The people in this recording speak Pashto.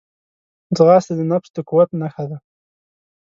ځغاسته د نفس د قوت نښه ده